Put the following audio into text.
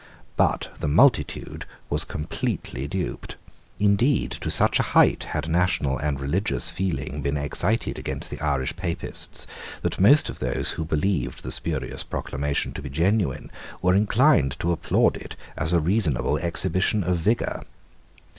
But the multitude was completely duped. Indeed to such a height had national and religious feeling been excited against the Irish Papists that most of those who believed the spurious proclamation to be genuine were inclined to applaud it as a seasonable exhibition of vigour.